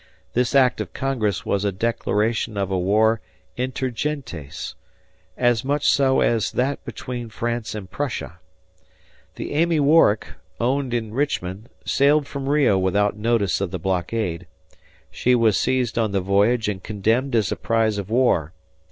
This act of Congress was a declaration of a war inter gentes, as much so as that between France and Prussia. The Amy Warwick, owned in Richmond, sailed from Rio without notice of the blockade. She was seized on the voyage and condemned as a prize of war.